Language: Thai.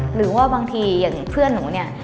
หรือว่าบางทีอย่างเพื่อนหนูเนี่ย